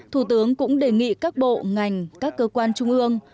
thủ tướng cũng đề nghị các bộ ngành các cơ quan trung ương